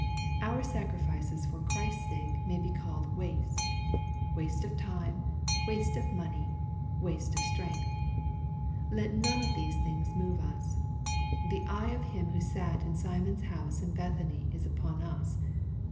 ) Our sacrifices for Christ's sake may be called waste," — ^waste of time, waste of money, waste of strength. Eef none of these things move us. The eye of Him who sat in Simon's house in Bethany is upon us.